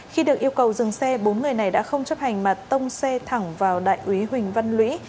khi được yêu cầu dừng xe bốn người này đã không chấp hành mà tông xe thẳng vào đại úy huỳnh văn lũy